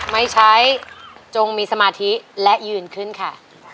ไม่ใช้จงมีสมาธิและยืนขึ้นค่ะ